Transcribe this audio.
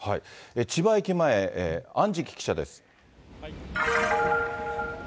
千葉駅前、安食記者です。